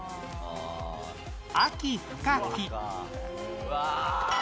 うわ！